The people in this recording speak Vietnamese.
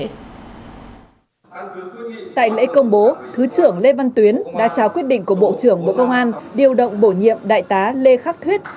tại lễ công bố thứ trưởng lê văn tuyến đã trao quyết định của bộ trưởng bộ công an điều động bổ nhiệm đại tá lê khắc thuyết